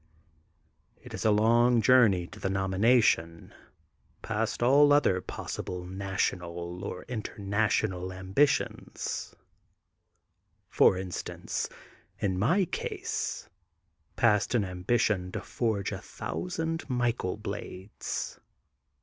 It is a long journey to the nomination past nil other possible national or international ambitions; for instance, in my case, past an ambition to forge a thousand Michael blades.